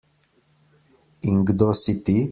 In kdo si ti?